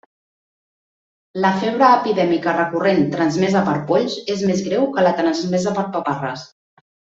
La febre epidèmica recurrent transmesa per polls és més greu que la transmesa per paparres.